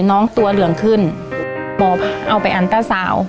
น้องตัวเหลืองขึ้นหมอเอาไปอันต้าสาว